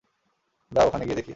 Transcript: চল ওখানে গিয়ে দেখি।